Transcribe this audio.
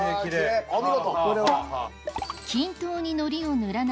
お見事！